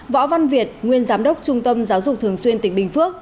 võ văn việt nguyên giám đốc trung tâm giáo dục thường xuyên tỉnh bình phước